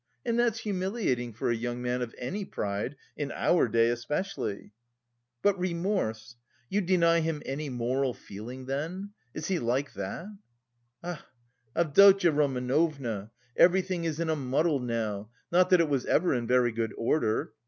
And that's humiliating for a young man of any pride, in our day especially...." "But remorse? You deny him any moral feeling then? Is he like that?" "Ah, Avdotya Romanovna, everything is in a muddle now; not that it was ever in very good order.